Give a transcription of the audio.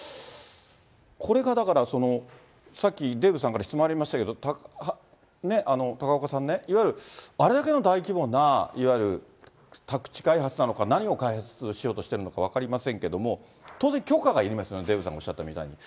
これがだから、さっきデーブさんから質問ありましたけれども、高岡さんね、いわゆるあれだけの大規模な、いわゆる宅地開発なのか、何を開発しようとしているのか分かりませんけども、当然、許可がいりますよね、デーブさんがおっしゃったみたいに。